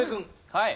はい。